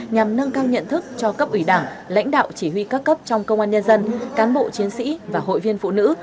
nhằm nâng cao nhận thức cho cấp ủy đảng lãnh đạo chỉ huy các cấp trong công an nhân dân cán bộ chiến sĩ và hội viên phụ nữ